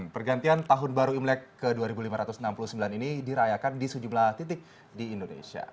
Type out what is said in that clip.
pergantian tahun baru imlek ke dua ribu lima ratus enam puluh sembilan ini dirayakan di sejumlah titik di indonesia